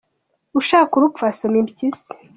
Ushaka urupfu asoma impyisi.